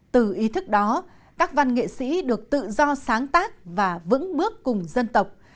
từ ý thức đó các văn nghệ sĩ được tự do sáng tác và vững bước cùng dân tộc